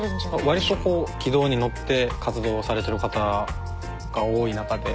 割とこう軌道に乗って活動されてる方が多い中で。